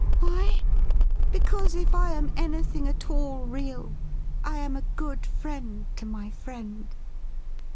' Why ? Because, if I am anything at all real, I am a good friend to my friend.'